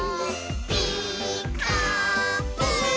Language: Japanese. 「ピーカーブ！」